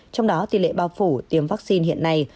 trong đó tỷ lệ bao phủ tiêm vaccine hiện nay